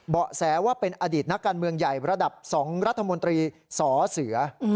แสว่าเป็นอดีตนักการเมืองใหญ่ระดับ๒รัฐมนตรีสอเสือ